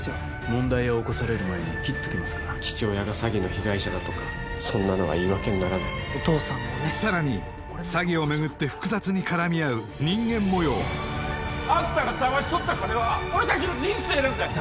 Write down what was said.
問題を起こされる前に切っときますか父親が詐欺の被害者だとかそんなのは言い訳にならないさらに詐欺を巡って複雑に絡み合う人間模様あんたがダマし取った金は俺達の人生なんだよ